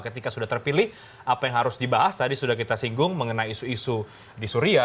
ketika sudah terpilih apa yang harus dibahas tadi sudah kita singgung mengenai isu isu di suria